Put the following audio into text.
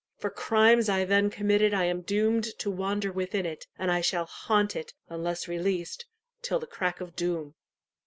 For crimes I then committed I am doomed to wander within it, and I shall haunt it, unless released, till the crack of doom."